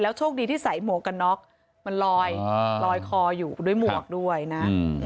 โชคดีที่ใส่หมวกกันน็อกมันลอยลอยคออยู่ด้วยหมวกด้วยนะ